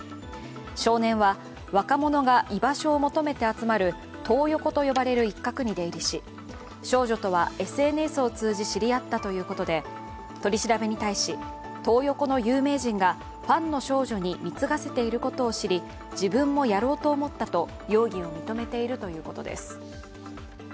少年は、若者が居場所を求めて集まるトー横と呼ばれる一角に出入りし少女とはＳＮＳを通じ知り合ったということで取り調べに対し、トー横の有名人がファンの少女に貢がせていることを知り自分もやろうと思ったと容疑を認めているということです。